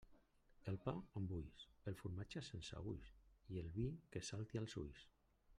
El pa amb ulls, el formatge sense ulls i el vi que salti als ulls.